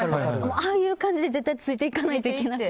ああいう感じでついていかないといけなくて。